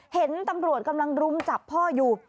เห็นตำรวจกำลังรุมจับพ่ออยู่